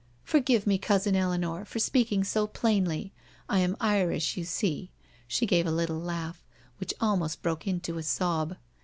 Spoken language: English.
Forgive me, Cousin Eleanor, for speaking so plainly— I am Irish, you see." She gave a little laugh, which almost broke into a sob.